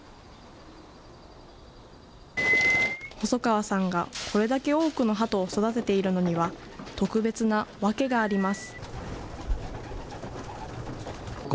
細川さんがこれだけ多くのハトを育てているのには、特別な訳があります。